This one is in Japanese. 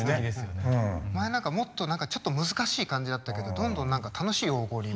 前何かもっとちょっと難しい感じだったけどどんどん何か楽しい。